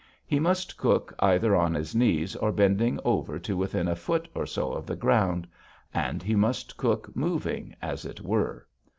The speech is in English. He must cook either on his knees or bending over to within a foot or so of the ground. And he must cook moving, as it were.